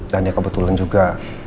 dan ya kebetulan juga